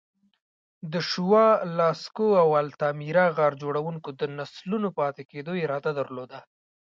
د شووه، لاسکو او التامیرا غار جوړونکو د نسلونو پاتې کېدو اراده درلوده.